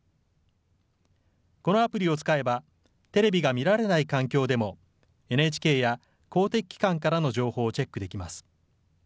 このアプリを使えばテレビが見られない環境でもＮＨＫや公的機関からの情報をチェックできます。